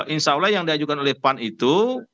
insya allah yang diajukan oleh pan itu